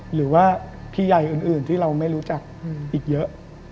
หรือว่าพี่ใหญ่อื่นที่เราไม่รู้จักอีกเยอะ